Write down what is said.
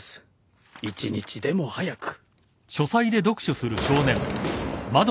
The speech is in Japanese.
一日でも早く。